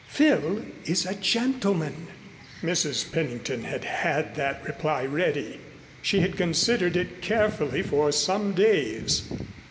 Phil is a gentleman." Mrs. Pennington had had that reply ready. She had considered it carefully for some days.